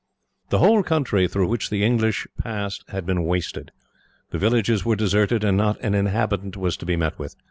The whole country through which the English passed had been wasted. The villages were deserted, and not an inhabitant was to be met with.